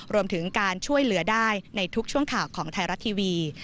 รวมถึงการช่วยเหลือได้ในทุกช่วงข่าวของไทยรัฐทีวี